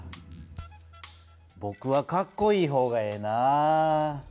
ぼくはかっこいい方がええなぁ。